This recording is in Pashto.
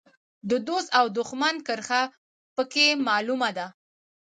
د دوست او دوښمن کرښه په کې معلومه ده.